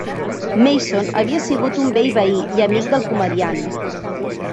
Mason havia sigut un vell veí i amic del comediant.